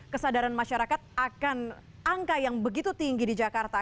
kesadaran masyarakat akan angka yang begitu tinggi di jakarta